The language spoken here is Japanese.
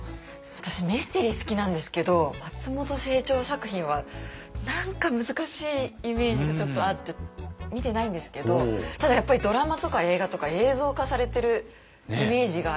私ミステリー好きなんですけど松本清張作品は何か難しいイメージがちょっとあって見てないんですけどただやっぱりドラマとか映画とか映像化されてるイメージがあるので。